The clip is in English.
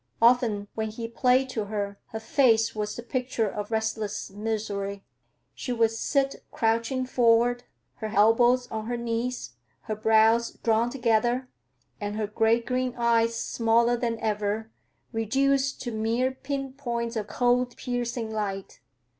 Often when he played to her, her face was the picture of restless misery. She would sit crouching forward, her elbows on her knees, her brows drawn together and her gray green eyes smaller than ever, reduced to mere pin points of cold, piercing light.